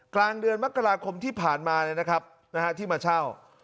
กลางเดือนมกราคมที่ผ่านมาที่มาเช่า